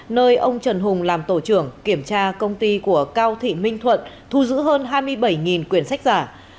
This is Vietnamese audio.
nơi ông trần hùng làm tổ trưởng kiểm tra công ty của cao thị minh thuận thu giữ hơn hai mươi bảy quyền sách giả